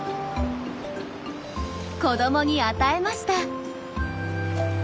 子どもに与えました。